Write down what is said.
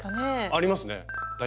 ありますね大体。